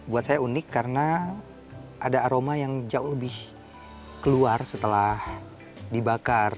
buat saya unik karena ada aroma yang jauh lebih keluar setelah dibakar